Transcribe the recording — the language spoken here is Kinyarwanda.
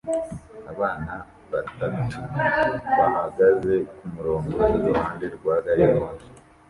Abana batatu bahagaze kumurongo iruhande rwa gari ya moshi